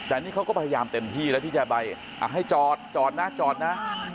อันนี้เขาก็พยายามเต็มที่แล้วพี่จ่ายใบอ่ะให้จอดจอดนะจอดนะ